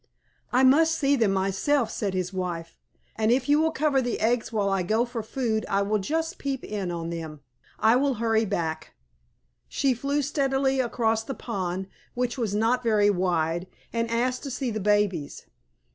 "I must see them myself," said his wife, "and if you will cover the eggs while I go for food, I will just peep in on them. I will hurry back." She flew steadily across the pond, which was not very wide, and asked to see the babies.